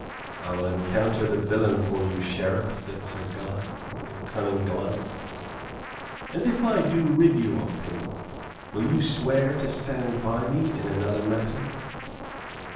"I will encounter the villain for you, Sheriff," said Sir Guy, with a cunning glance. "And if I do rid you of him, will you swear to stand by me in another matter?"